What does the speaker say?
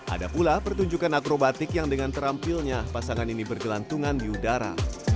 ada pula pertunjukan akrobatik yang dengan terampilnya pasangan ini bergelantungan di udara